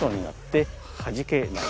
はじけないと。